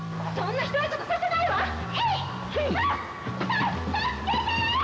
た助けて！